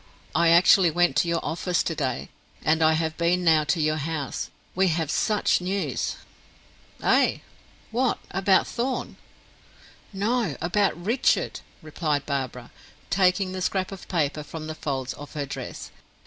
"I actually went to your office to day, and I have been now to your house. We have such news!" "Ay! What? About Thorn?" "No; about Richard," replied Barbara, taking the scrap of paper from the folds of her dress.